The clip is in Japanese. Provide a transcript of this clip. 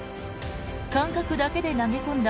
感覚だけで投げ込んだ